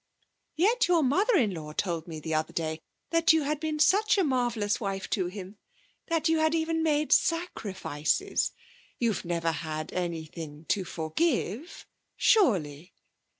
'Yet your mother in law told me the other day that you had been such a marvellous wife to him. That you had even made sacrifices. You have never had anything to forgive, surely?'